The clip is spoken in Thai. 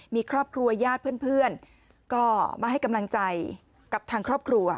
มีครอบครัวญาติเพื่อนก็มาให้กำลังใจกับทางครอบครัว